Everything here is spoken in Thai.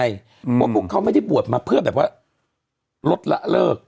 เพราะว่าพวกเขาไม่ได้บวชมาเพื่อแบบว่าลดละเลิก